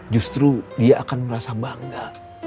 justru dia akan merasa bangga